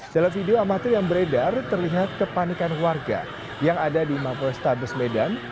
dalam video amatir yang beredar terlihat kepanikan warga yang ada di mapol restabes medan